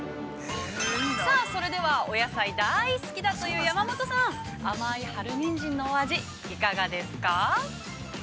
◆さあ、それでは、お野菜大好きだという山本さん、甘い春ニンジンのお味、いかがですか。